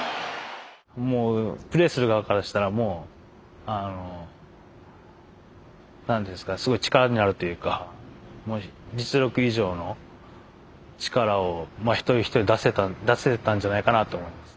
プレーする側からしたらもう何ていうんですかすごい力になるというか実力以上の力を一人一人出せてたんじゃないかなと思います。